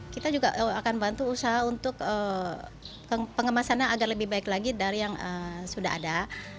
kita juga akan bantu usaha untuk pengemasannya agar lebih baik lagi dari yang sudah ada